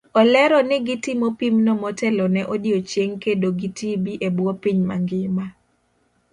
Olero ni gitimo pimno motelo ne odiochieng' kedo gi tb ebuo piny mangima.